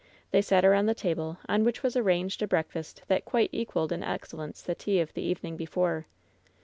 They sat around the table, on which was arranged a breakfast that quite equaled in excellence the tea of the evening before.